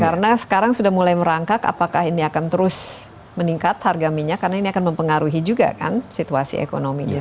karena sekarang sudah mulai merangkak apakah ini akan terus meningkat harga minyak karena ini akan mempengaruhi juga kan situasi ekonomi dunia